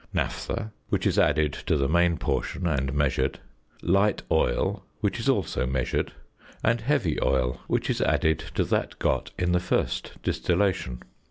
Naphtha, which is added to the main portion, and measured; "light oil," which is also measured; and "heavy oil," which is added to that got in the first distillation.